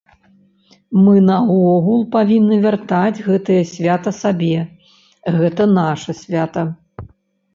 Мы наогул павінны вяртаць гэтае свята сабе, гэта наша свята.